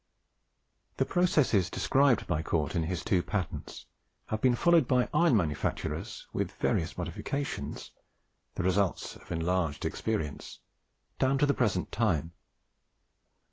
The processes described by Cort in his two patents have been followed by iron manufacturers, with various modifications, the results of enlarged experience, down to the present time.